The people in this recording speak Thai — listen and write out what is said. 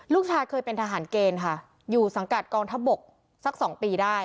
ลูกชายเคยเป็นทหารเกณฑ์ค่ะอยู่สังกัดกองทัพบกสัก๒ปีได้